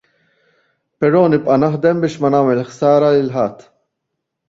Però nibqa' naħdem biex ma nagħmel ħsara lil ħadd.